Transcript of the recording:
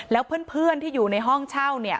แล้วเพื่อนที่อยู่ในห้องเช่าเนี่ย